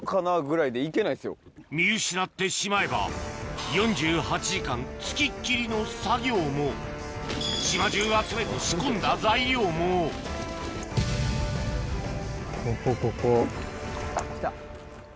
見失ってしまえば４８時間付きっきりの作業も島じゅう集めて仕込んだ材料もここここ。来た。